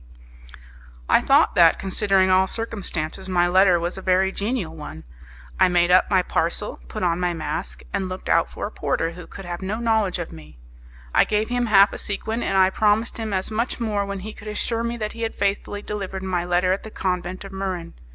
I thought that, considering all circumstances, my letter was a very genial one; I made up my parcel, put on my mask, and looked out for a porter who could have no knowledge of me; I gave him half a sequin, and I promised him as much more when he could assure me that he had faithfully delivered my letter at the convent of Muran.